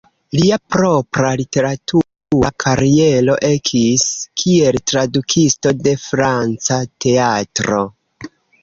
Lia propra literatura kariero ekis kiel tradukisto de franca teatro.